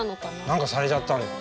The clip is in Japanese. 何かされちゃったのよ。